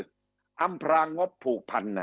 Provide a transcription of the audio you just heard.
คำอภิปรายของสอสอพักเก้าไกลคนหนึ่ง